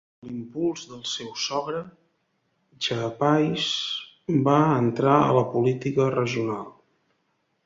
Amb l'impuls del seu sogre, Chapais va entrar a la política regional.